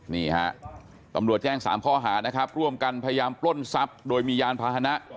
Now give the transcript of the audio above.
นี่ฮะตำรวจแจ้ง๓ข้อหานะครับร่วมกันพยายามปล้นทรัพย์โดยมียานพาหนะ